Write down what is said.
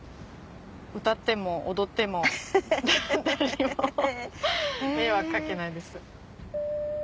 歌っても踊っても誰にも迷惑かけないです。